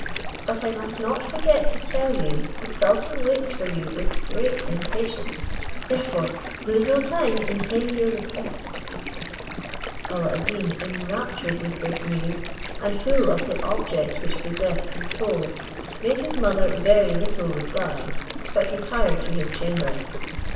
But I must not forget to tell you the sultan waits for you with great impatience, therefore lose no time in paying your respects." Alla ad Deen, enraptured with this news, and full of the object which possessed his soul, made his mother very little reply, but retired to his chamber.